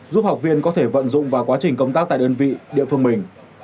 giúp học viên có thể vận dụng vào quá trình công tác tại đơn vị địa phương mình